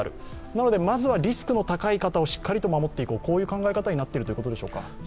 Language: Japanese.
なので、まずはリスクの高い方をしっかりと守っていこうという考え方になっているということでしょうか？